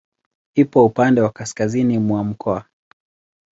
Ipo upande wa kaskazini mwa mkoa.